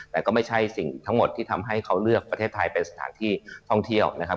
แต่ก็ไม่ใช่สิ่งทั้งหมดที่ทำให้เขาเลือกประเทศไทยเป็นสถานที่ท่องเที่ยวนะครับ